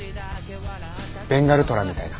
ベンガルトラみたいな。